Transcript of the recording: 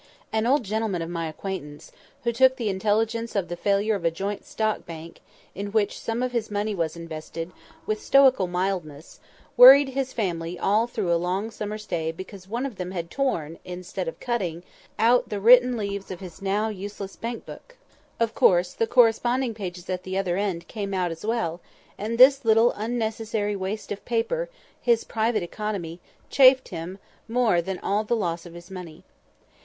An old gentleman of my acquaintance, who took the intelligence of the failure of a Joint Stock Bank, in which some of his money was invested, with stoical mildness, worried his family all through a long summer's day because one of them had torn (instead of cutting) out the written leaves of his now useless bank book; of course, the corresponding pages at the other end came out as well, and this little unnecessary waste of paper (his private economy) chafed him more than all the loss of his money.